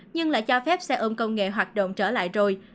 nhưng lại cho phép xe ôm công nghệ hoạt động trở lại rồi